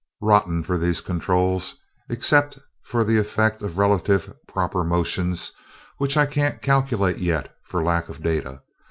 "Rotten, for these controls. Except for the effect of relative proper motions, which I can't calculate yet for lack of data.